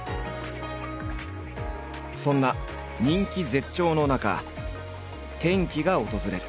そんな人気絶頂の中転機が訪れる。